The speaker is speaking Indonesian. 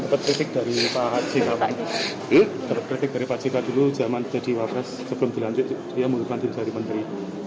dapat kritik dari pak cika dulu zaman tadi pak presiden sebelum dilantik dia mulakan timsari menteri